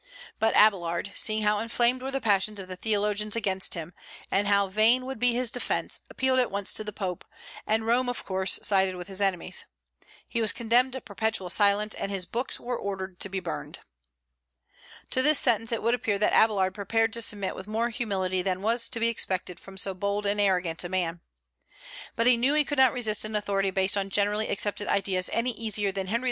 But Abélard, seeing how inflamed were the passions of the theologians against him, and how vain would be his defence, appealed at once to the Pope; and Rome, of course, sided with his enemies. He was condemned to perpetual silence, and his books were ordered to be burned. To this sentence it would appear that Abélard prepared to submit with more humility than was to be expected from so bold and arrogant a man. But he knew he could not resist an authority based on generally accepted ideas any easier than Henry IV.